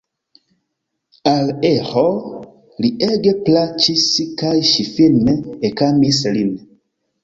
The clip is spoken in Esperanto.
Al Eĥo li ege plaĉis kaj ŝi firme ekamis lin.